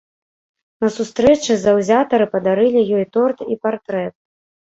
На сустрэчы заўзятары падарылі ёй торт і партрэт.